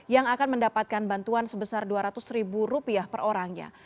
yang akan mendapatkan bantuan sebesar dua ratus ribu rupiah per orangnya